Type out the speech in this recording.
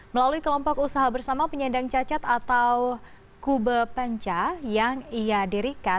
melalui kelompok usaha bersama penyandang cacat atau kube penca yang ia dirikan